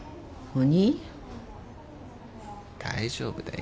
大丈夫だよ。